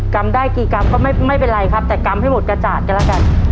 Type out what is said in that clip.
ำได้กี่กรัมก็ไม่เป็นไรครับแต่กำให้หมดกระจาดกันแล้วกัน